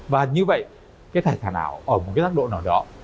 và như vậy cái tài sản ảo ở một cái giác độ nào đó